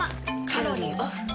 カロリーオフ。